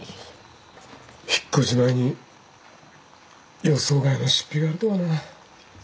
引っ越し前に予想外の出費があるとはな。